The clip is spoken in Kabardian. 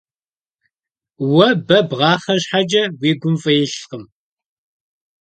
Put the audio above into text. Уэ бэ бгъахъэ щхьэкӀэ, уи гум фӀы илъкъым.